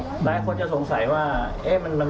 มันเป็นเหตุครั้งเดียวหรือเปล่า